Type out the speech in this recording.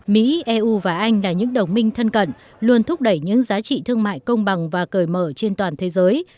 mỹ eu và anh là những đồng minh thân cận luôn thúc đẩy những giá trị thương mại công bằng và cởi mở trên toàn thế giới